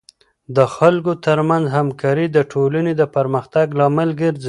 د خلکو ترمنځ همکاري د ټولنې د پرمختګ لامل ګرځي.